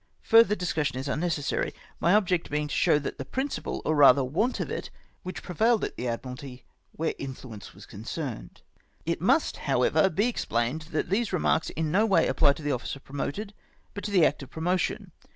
* Further discussion is unneces sary, my object being to show the principle, or I'ather want of it, which prevailed at the Admiralty where influence was concerned. It must, however, be explained, that these remarks in no way apply to the officer promoted, but to the act of promotion.